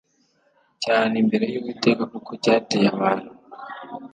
cyane imbere y Uwiteka kuko cyateye abantu